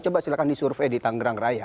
coba silahkan disurvey di tanggerang raya